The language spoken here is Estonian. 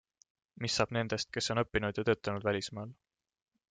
Mis saab nendest, kes on õppinud ja töötanud välismaal?